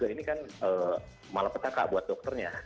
ini kan malah petaka buat dokternya